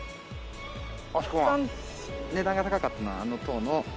一番値段が高かったのはあの棟の。